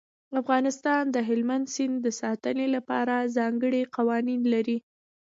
افغانستان د هلمند سیند د ساتنې لپاره ځانګړي قوانین لري.